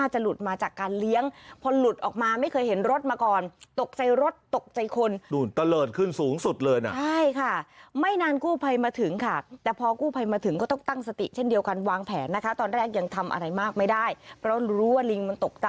หมาตามบ้านมันตกใจหมามันตะเลิศเหมือนกัน